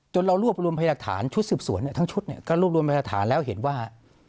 จนเรารวบรวมภัยดักฐานชุดสืบสวนทั้งชุดก็รวบรวมภัยดักฐานแล้วเห็นว่า